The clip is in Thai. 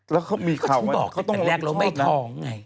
แล้วเขามีข่าวว่าอันแรกเราไม่ท้องไงเขาต้องบอกว่า